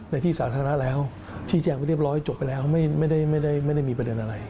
ในที่สาธารณะแล้วชี้แจงไปเรียบร้อยจบไปแล้วไม่ได้มีประเด็นอะไร